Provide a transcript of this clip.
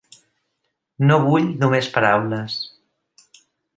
No vull només paraules.